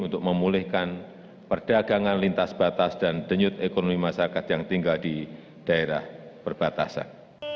untuk memulihkan perdagangan lintas batas dan denyut ekonomi masyarakat yang tinggal di daerah perbatasan